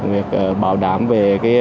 việc bảo đảm về